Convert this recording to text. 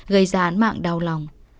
gây ra án mạng đau lòng